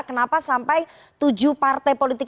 kenapa sampai tujuh partai politik